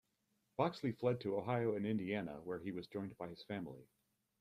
Boxley fled to Ohio and Indiana, where he was joined by his family.